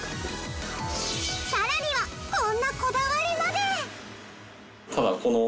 さらにはこんなこだわりまで。